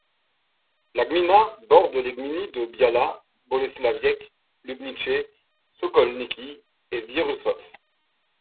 La gmina borde les gminy de Biała, Bolesławiec, Łubnice, Sokolniki et Wieruszów.